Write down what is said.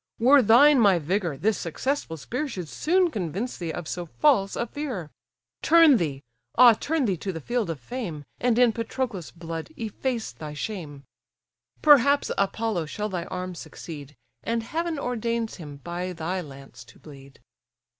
Were thine my vigour this successful spear Should soon convince thee of so false a fear. Turn thee, ah turn thee to the field of fame, And in Patroclus' blood efface thy shame. Perhaps Apollo shall thy arms succeed, And heaven ordains him by thy lance to bleed."